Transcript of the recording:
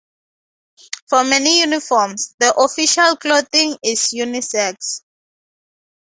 For many uniforms, the official clothing is unisex.